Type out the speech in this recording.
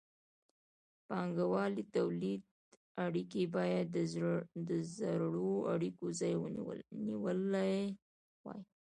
بانګوالي تولیدي اړیکې باید د زړو اړیکو ځای نیولی وای.